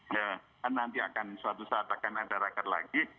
ya kan nanti akan suatu saat akan ada raker lagi